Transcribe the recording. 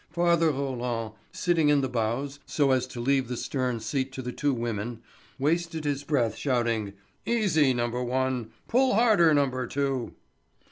Father Roland, sitting in the bows, so as to leave the stern seat to the two women, wasted his breath shouting, "Easy, number one; pull harder, number two!"